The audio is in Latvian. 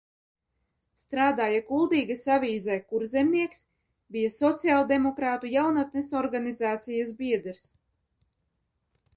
"Strādāja Kuldīgas avīzē "Kurzemnieks", bija sociāldemokrātu jaunatnes organizācijas biedrs."